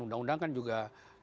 undang undang kan juga